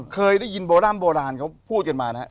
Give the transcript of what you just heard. เคยได้ยินโบราณเขาพูดกันมานะฮะ